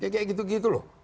kayak gitu gitu loh